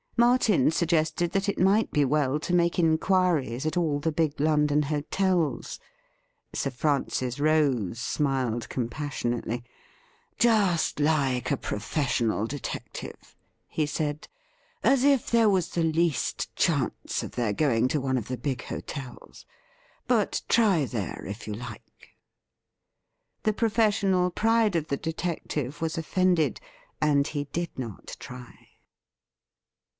Martin suggested that it might be well to make inquiries at all the big London hotels. Sir Francis Rose smiled compassionately. ' Just like a professional detective,' he said. ' As if there was the least chance of their going to one of the big hotels ! But try there if you like.' The professional pride of the detective was offended, and he did not try.